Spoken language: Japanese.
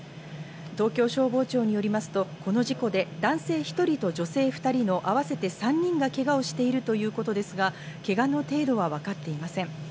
東京消防庁によりますとこの事故で男性１人と女性２人の合わせて３人がけがをしているということですが、けがの程度はわかっていません。